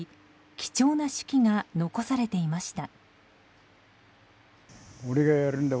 貴重な手記が残されていました。